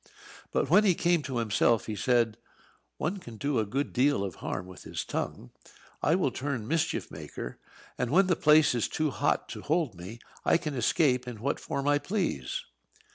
But when he came to himself he said: "One can do a good deal of harm with his tongue. I will turn mischief maker; and when the place is too hot to hold me, I can escape in what form I please."